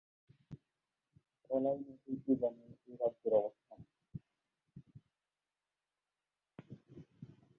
ধলাই নদীর উজানে এ রাজ্যের অবস্থান।